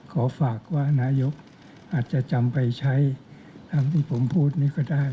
ขอฝากว่านายกอาจจะจำไปใช้ตามที่ผมพูดนี่ก็ได้